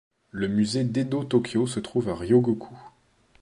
Le musée d'Edo-Tokyo se trouve à Ryōgoku.